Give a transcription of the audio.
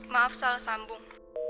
maaf salah sambung